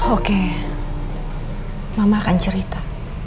oke mama akan cerita